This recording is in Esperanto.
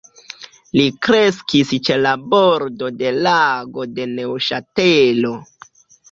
Li kreskis ĉe la bordo de Lago de Neŭŝatelo.